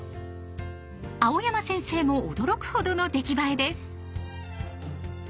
蒼山先生も驚くほどの出来栄えです。